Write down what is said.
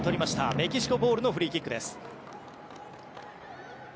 メキシコボールのフリーキックです。